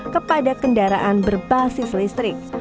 kepada kendaraan berbasis listrik